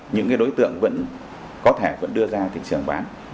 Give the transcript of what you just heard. những cái đối tượng vẫn có thể đưa ra thị trường bán